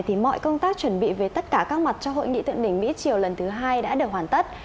thì mọi công tác chuẩn bị về tất cả các mặt cho hội nghị thượng đỉnh mỹ triều lần thứ hai đã được hoàn tất